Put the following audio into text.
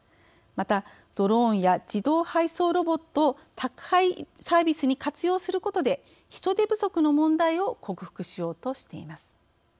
またドローンや自動配送ロボットを宅配サービスに活用することで人手不足の問題を克服しようとしています。